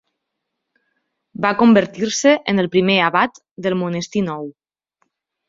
Va convertir-se en el primer abat del monestir nou.